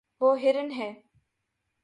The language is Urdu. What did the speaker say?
وہ ہرن ہے